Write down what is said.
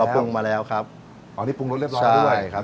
ปรุงมาแล้วครับอ๋อนี่ปรุงรสเรียบร้อยด้วยครับ